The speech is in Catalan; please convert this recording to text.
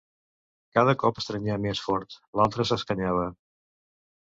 Cada cop estrenyia més fort: l'altra s'escanyava.